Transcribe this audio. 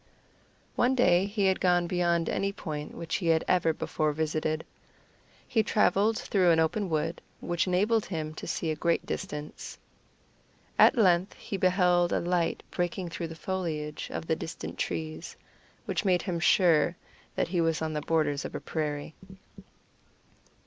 One day he had gone beyond any point which he had ever before visited. He traveled through an open wood, which enabled him to see a great distance. At length he beheld a light breaking through the foliage of the distant trees, which made him sure that he was on the borders of a prairie.